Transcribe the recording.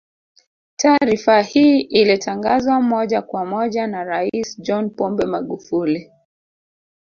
Taarifa hii ilitangazwa moja kwa moja na Rais John Pombe Magufuli